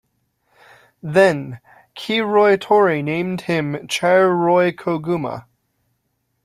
Then, Kiiroitori named him Chairoikoguma.